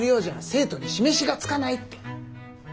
生徒に示しがつかないって。